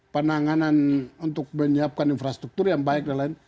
penanganan untuk menyiapkan infrastruktur yang baik dan lain